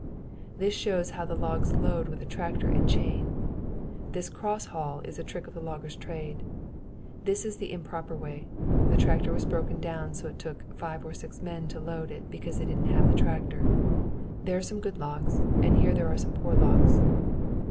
This shows how they load logs with a tractor and chain. This "cross haul" is a trick of the logger's trade. This is the improper way. The tractor was broken down so it took five or six men to load it because they didn't have the tractor. There are some good logs and here are some poor logs.